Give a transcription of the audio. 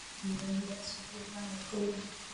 ایا ته آنلاین درسي ویډیوګانې ګورې؟